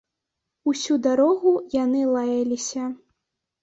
Усю дарогу яны лаяліся.